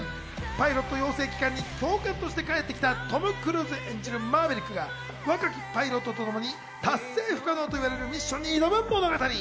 パイロット養成機関に教官として帰ってきたトム・クルーズ演じるマーヴェリックが、若きパイロットとともに達成不可能といわれるミッションに挑む物語。